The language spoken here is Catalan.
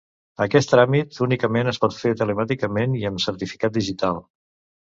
Aquest tràmit únicament es pot fer telemàticament i amb certificat digital.